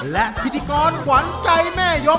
และพิธีกรขวัญใจแม่ยก